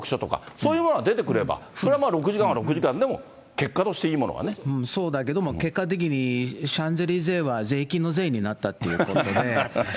そういうものが出てくれば、それはもう６時間は６時間でも、結果そうだけども、結果的に、シャンゼリゼは税金のぜになったということで。